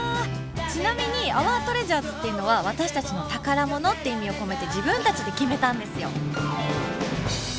ちなみに「アワートレジャーズ」っていうのは「私たちの宝物」って意味を込めて自分たちで決めたんですよ。